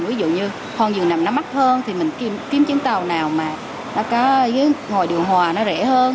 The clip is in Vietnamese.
ví dụ như con giường nằm nó mắc hơn thì mình kiếm chuyến tàu nào mà nó có ghế ngồi điều hòa nó rẻ hơn